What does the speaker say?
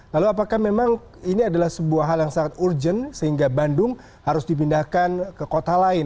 lalu apakah memang ini adalah sebuah hal yang sangat urgent sehingga bandung harus dipindahkan ke kota lain